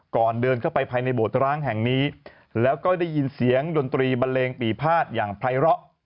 เดินเข้าไปภายในโบสตร้างแห่งนี้แล้วก็ได้ยินเสียงดนตรีบันเลงปีภาษณ์อย่างไพร้อ